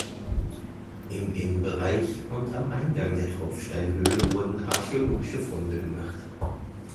Im Innenbereich und am Eingang der Tropfsteinhöhle wurden archäologische Funde gemacht.